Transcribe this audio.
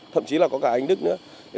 thậm chí là có cả anh đức nữa